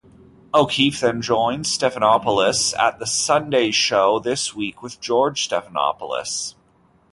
O’Keefe then joined Stephanopoulos at the Sunday show This Week with George Stephanopoulos.